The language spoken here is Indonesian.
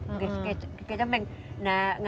ini tidak ada apa apa